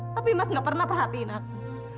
tapi mas gak pernah perhatiin aku